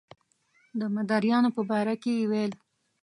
د مداریانو په باره کې یې ویل.